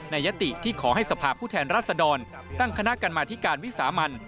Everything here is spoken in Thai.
ยติที่ขอให้สภาพผู้แทนรัศดรตั้งคณะกรรมาธิการวิสามัน